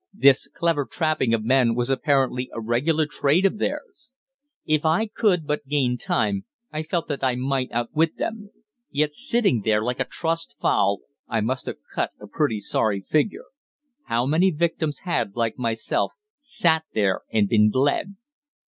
This clever trapping of men was apparently a regular trade of theirs! If I could but gain time I felt that I might outwit them. Yet, sitting there like a trussed fowl, I must have cut a pretty sorry figure. How many victims had, like myself, sat there and been "bled"?